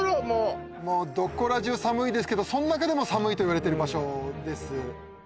もうもうどこらじゅう寒いですけどその中でも寒いといわれてる場所です